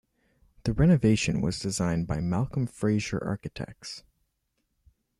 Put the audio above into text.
The renovation was designed by Malcolm Fraser Architects.